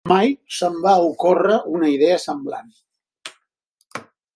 Mai se'm va ocórrer una idea semblant.